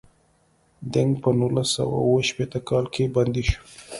دینګ په نولس سوه اووه شپیته کال کې بندي شو.